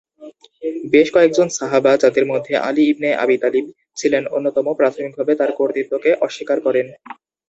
বেশ কয়েকজন সাহাবা, যাঁদের মধ্যে আলী ইবনে আবী তালিব ছিলেন অন্যতম, প্রাথমিকভাবে তাঁর কর্তৃত্বকে অস্বীকার করেন।